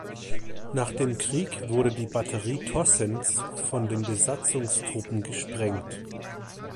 Nach dem Krieg wurde die Batterie Tossens von den Besatzungstruppen gesprengt.